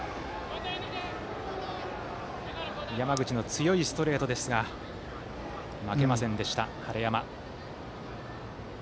山口の強いストレートですが負けませんでした晴山。